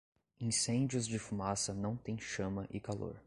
Incêndios de fumaça não têm chama e calor.